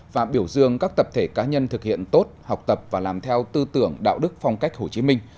và biểu dương các tập thể cá nhân thực hiện tốt học tập và làm theo tư tưởng đạo đức phong cách hồ chí minh